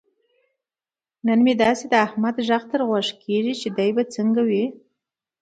نن مې داسې د احمد غږ تر غوږو کېږي. چې دی به څنګه وي.